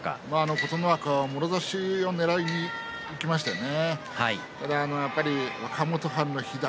琴ノ若、もろ差しをねらいにいきましたよね。